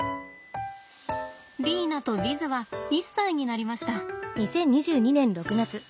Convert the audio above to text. リーナとヴィズは１歳になりました。